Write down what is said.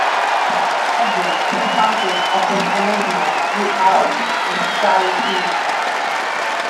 The Abyss is something of an enigma throughout the entire series.